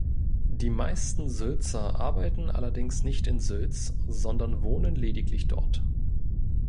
Die meisten Sülzer arbeiten allerdings nicht in Sülz, sondern wohnen lediglich dort.